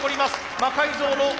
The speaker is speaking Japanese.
「魔改造の夜」。